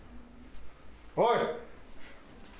おい！